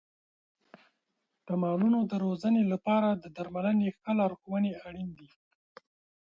د مالونو د روزنې لپاره د درملنې ښه لارښونې اړین دي.